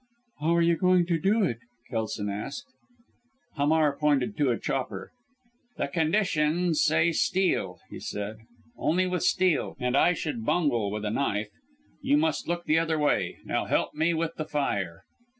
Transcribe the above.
"How are you going to do it?" Kelson asked. Hamar pointed to a chopper. "The conditions say with steel," he said; "only with steel, and I should bungle with a knife. You must look the other way. Now help me with the fire."